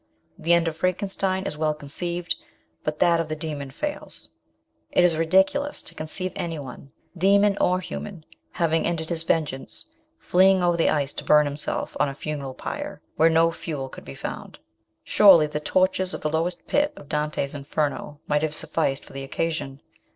The end of Frankenstein is well conceived, but that of the Demon fails. It is ridiculous to conceive anyone, demon or human, having ended his vengeance, fleeing over the ice to burn himself on a funeral pyre where no fuel could be found. Surely the tortures of the lowest pit of Dante's Inferno might have sufficed for the occasion.